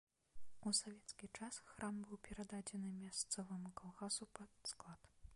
У савецкі час храм быў перададзены мясцоваму калгасу пад склад.